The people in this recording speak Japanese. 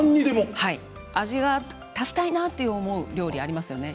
味を足したいなと思う料理ありますよね？